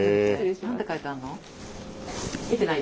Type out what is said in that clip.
何て書いてあんの？